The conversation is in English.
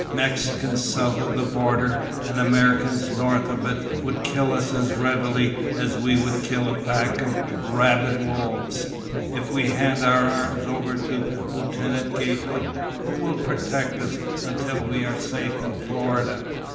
Mexicans south of the border and Americans north of it would kill us as readily as we would kill a pack of rabid wolves. If we hand our arms over to Lieutenant Gatewood, who will protect us until we are safe in Florida?"